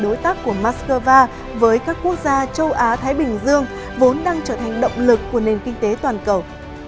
đối tác của moscow với các quốc gia châu á thái bình dương vốn đang trở thành động lực của nền kinh tế toàn cầu